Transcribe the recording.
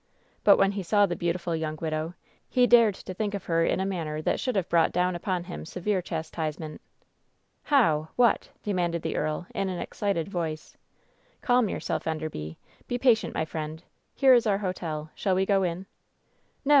But, when he saw the beautiful young widow, he dared to think of her in a manner that should have brought down upon him severe chastisement," "How? What?" demanded the earl, in an excited voice. S46 WHEN SHADOWS DIE "Calm yourself, Enderby. Be patient, my friend. Here is our hotel. Shall we go in ?" "No